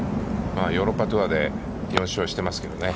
ヨーロッパツアーで４勝していますけどね。